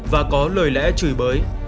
và có lời lẽ chửi bới